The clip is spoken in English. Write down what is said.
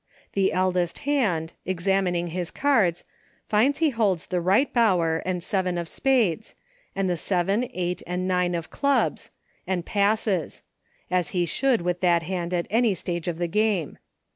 The eldest hand, examining his cards, finds he holds the Eight Bower and seven of spades, and the seven, eight, and nine of clubs, and passes — as he should with that hand at any stage of the game.